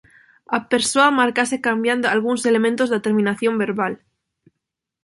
A persoa márcase cambiando algúns elementos da terminación verbal.